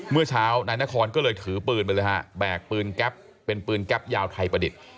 เมื่อเช้านายนครก็เลยถือปืนไปเลยฮะแบกปืนแก๊ปเป็นปืนแก๊ปยาวไทยประดิษฐ์